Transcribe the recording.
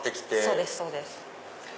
そうですそうです。